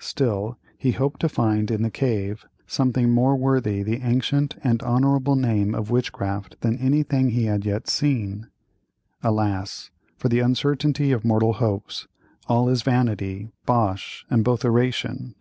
Still, he hoped to find in the cave, something more worthy the ancient and honorable name of witchcraft than anything he had yet seen. Alas! for the uncertainty of mortal hopes. All is vanity, bosh, and botheration.